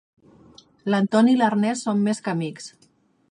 L'Antoni i l'Ernest són més que amics.